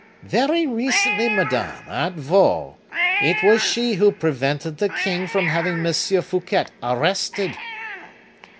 "Very recently, madame, at Vaux. It was she who prevented the king from having M. Fouquet arrested."